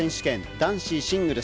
男子シングルス。